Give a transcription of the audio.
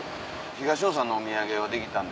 東野さんのお土産はできたんですけど